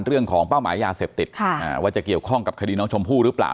เป้าหมายยาเสพติดว่าจะเกี่ยวข้องกับคดีน้องชมพู่หรือเปล่า